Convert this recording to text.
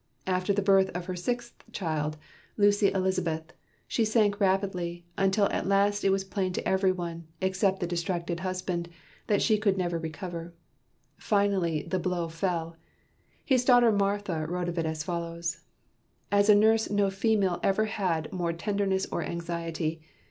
After the birth of her sixth child, Lucy Elizabeth, she sank rapidly, until at last it was plain to every one, except the distracted husband, that she could never recover. Finally the blow fell. His daughter Martha wrote of it as follows: "As a nurse no female ever had more tenderness or anxiety.